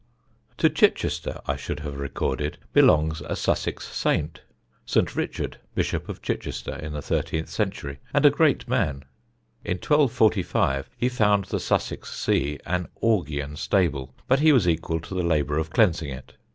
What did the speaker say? To Chichester, I should have recorded, belongs a Sussex saint, Saint Richard, Bishop of Chichester in the thirteenth century, and a great man. In 1245 he found the Sussex see an Augæan stable; but he was equal to the labour of cleansing it.